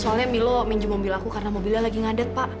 soalnya milo minjem mobil aku karena mobilnya lagi ngadet pak